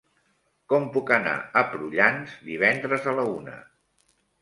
Com puc anar a Prullans divendres a la una?